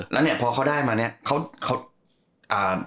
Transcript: แล้วเนี่ยพอเขาได้มาเนี่ย